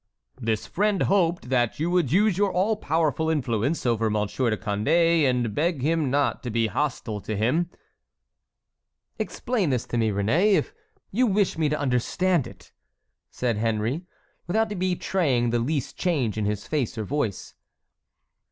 "This friend hoped that you would use your all powerful influence over Monsieur de Condé and beg him not to be hostile to him." "Explain this to me, Réné, if you wish me to understand it," said Henry, without betraying the least change in his face or voice.